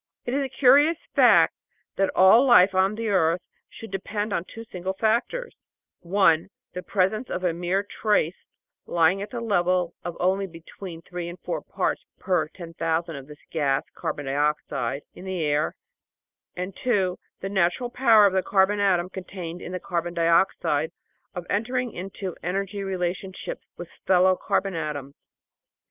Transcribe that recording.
It is a curious fact that all life on the earth should depend on two single factors, ( 1 ) the presence of a mere trace, lying at the level of only between three and four parts per 10,000 of this gas (carbon dioxide) in the air, and (2) the natural power of the carbon atom contained in the carbon dioxide, of entering into energy relationships with fellow carbon atoms.